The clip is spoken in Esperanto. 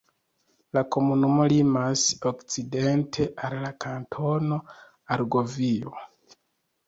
La komunumo limas okcidente al la Kantono Argovio.